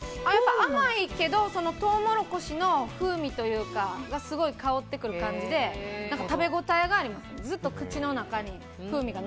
甘いけどトウモロコシの風味というかがすごい香ってくる感じで食べ応えがあります。